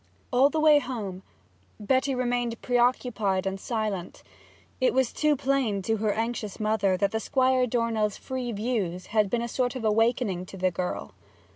All the way home Betty remained preoccupied and silent. It was too plain to her anxious mother that Squire Dornell's free views had been a sort of awakening to the girl.